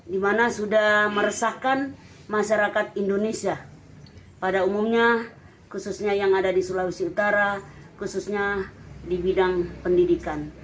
di mana sudah meresahkan masyarakat indonesia pada umumnya khususnya yang ada di sulawesi utara khususnya di bidang pendidikan